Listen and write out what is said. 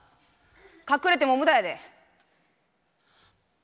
隠れても無駄やで。